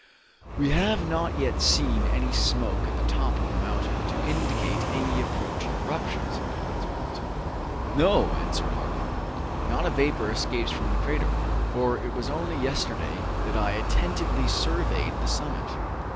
"We have not yet seen any smoke at the top of the mountain, to indicate an approaching eruption," said Gideon Spilett. "No," answered Harding, "not a vapor escapes from the crater, for it was only yesterday that I attentively surveyed the summit.